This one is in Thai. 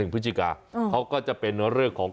พฤศจิกาเขาก็จะเป็นเรื่องของ